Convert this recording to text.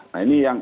nah ini yang